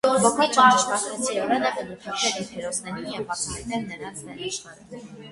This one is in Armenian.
Բոկաչչոն ճշմարտացիորեն է բնութագրել իր հերոսներին և բացահայտել նրանց ներաշխարհը։